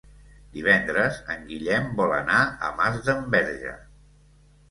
Divendres en Guillem vol anar a Masdenverge.